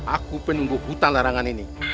aku penumbuk hutan larangan